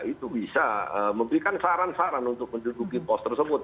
itu bisa memberikan saran saran untuk menduduki pos tersebut